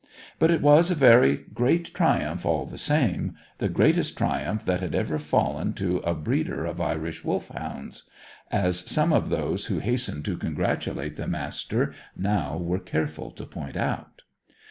But it was a very great triumph all the same; the greatest triumph that had ever fallen to a breeder of Irish Wolfhounds, as some of those who hastened to congratulate the Master now were careful to point out.